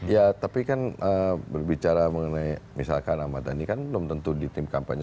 ya tapi kan berbicara mengenai misalkan ahmad dhani kan belum tentu di tim kampanye